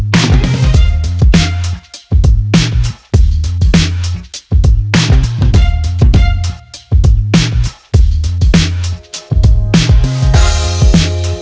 หนูชอบเก่งนะพี่ไหวเหรอ